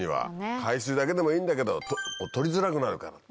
海水だけでもいいんだけど取りづらくなるからって。